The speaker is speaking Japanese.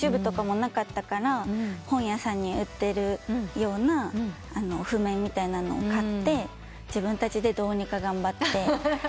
ＹｏｕＴｕｂｅとかもなかったから本屋さんに売ってるような譜面みたいなのを買って自分たちでどうにか頑張って。